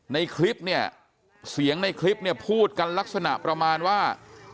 ในคลิปเนี่ยเสียงในคลิปเนี่ยพูดกันลักษณะประมาณว่า